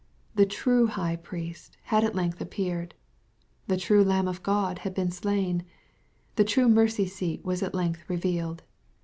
The true High Priesi had at length appeared. The true Lamh of God had been slain. The true mercy seat was at length revealed.